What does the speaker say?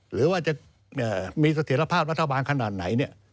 หรือว่าจะมีสถิษฐภาพรัฐบาลขนาดไหน